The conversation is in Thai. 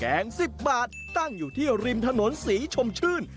ง๑๐บาทตั้งอยู่ที่ริมถนนศรีชมชื่น